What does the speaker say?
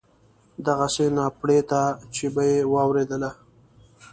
دغسې ناپړېته چې به یې واورېدله.